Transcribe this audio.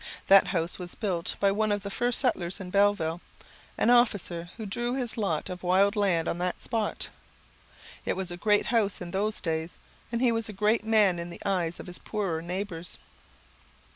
That house was built by one of the first settlers in Belleville, an officer who drew his lot of wild land on that spot. It was a great house in those days, and he was a great man in the eyes of his poorer neighbours.